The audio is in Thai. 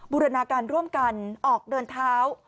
บูรณาการร่วมกันออกเดินเท้า